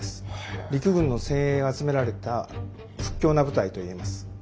陸軍の精鋭が集められた屈強な部隊と言えます。